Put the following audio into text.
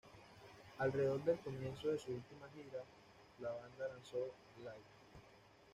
Alrededor del comienzo de su última gira, la banda lanzó "Live!